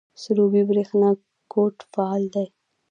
سروبي بریښنا کوټ فعال دی؟